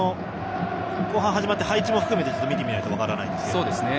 後半が始まって、配置も含めて見てみないと分かりませんが。